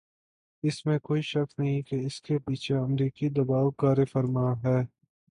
اس میں کوئی شک نہیں کہ اس کے پیچھے امریکی دبائو کارفرما ہے۔